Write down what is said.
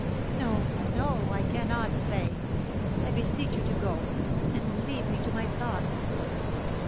"No, no, I cannot say! I beseech you to go and leave me to my thoughts!"